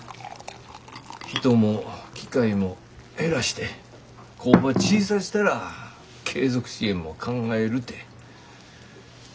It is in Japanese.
人も機械も減らして工場小さしたら継続支援も考えるて。